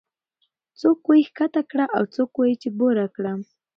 څوک وايي ښکته کړه او څوک وايي چې بره کړه